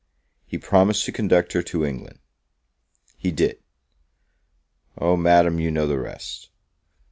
He promised to conduct her to England he did. O, Madam, you know the rest!